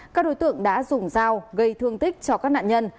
các đối tượng đã dùng dao gây thương tích cho các nạn nhân